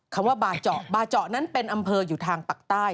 คำว่าบาเจาะบาเจาะนั้นเป็นอำเภออยู่ทางปากใต้